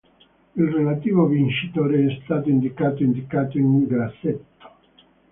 Il relativo vincitore è stato indicato indicato in grassetto.